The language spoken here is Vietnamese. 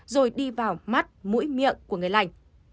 rồi đi vào mắt mũi miệng của người lành